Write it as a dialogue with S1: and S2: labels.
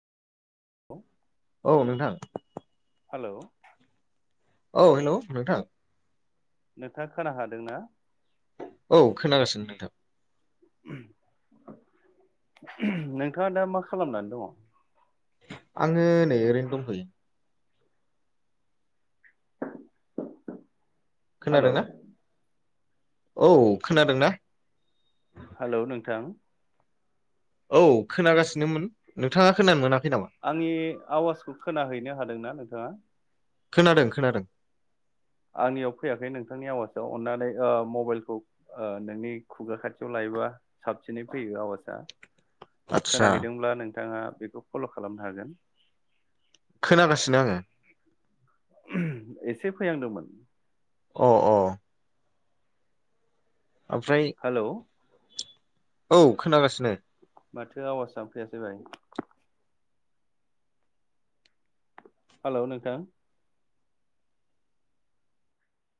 S1: [inaudible]
S2: औ नोंथां
S1: हालौ
S2: औ हेलौ नोंथां
S1: नोंथाङा खोना हादोंना?
S2: औ खोनागासिनो नोंथां
S1: नोंथांङा दा मा खालामनानै दंङ?
S2: आंङो नै ओरैनो दंथयो।
S1: हेलौ
S2: खोनादोंना औ खोनादोंना?
S1: हेलौ नोंथां
S2: औ खोनागासिनोमोन नोंथाङा खोनानो मोना
S1: आंनि आवाजखौ खोनाहैनो हादोंना नोंथाङा?
S2: खोनादों खोनादों
S1: आंनियाव फैयाखै नोंथांनि आवाजाव अननानै ओ मबाइलखौ ओ नोंनि खुगा खाथियाव लायोबा साबसिनै फैयो आवाजा
S2: आदसा
S1: खोनाहैदोंब्ला नोंथाङा बेखौ फल खालामनो हागोन
S2: खोनागासिनो आङो
S1: एसे फैनांदोंमोन
S2: अ अ ओमफ्राय
S1: हेलौ
S2: औ खोनागासिनो
S1: माथो आवाजा नो फैयासै भाइ। हेलौ नोंथां